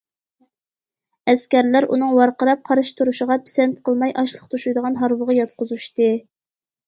ئەسكەرلەر ئۇنىڭ ۋارقىراپ قارشى تۇرۇشىغا پىسەنت قىلماي، ئاشلىق توشۇيدىغان ھارۋىغا ياتقۇزۇشتى.